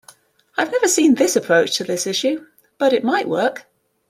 I have never seen this approach to this issue, but it might work.